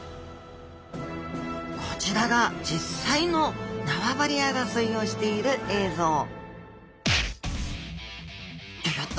こちらが実際の縄張り争いをしている映像ギョギョッと！